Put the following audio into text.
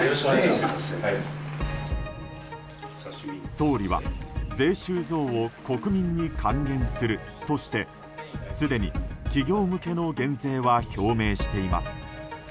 総理は税収増を国民に還元するとしてすでに企業向けの減税は表明しています。